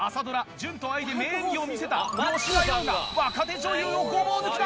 『純と愛』で名演技を見せた吉田羊が若手女優をごぼう抜きだ！